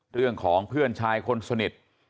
เรื่องของเพื่อนชายคนสนิท